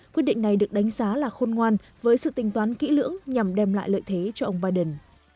quyết định này được đánh giá là khôn ngoan với sự tình toán kỹ lưỡng nhằm đem lại lợi thế cho ông biden